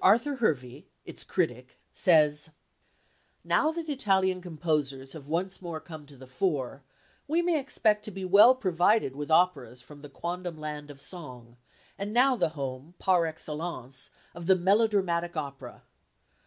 Arthur Hervey, its critic, says: "Now that Italian composers have once more come to the fore we may expect to be well provided with operas from the quondam land of song, and now the home par excellence of the melodramatic opera.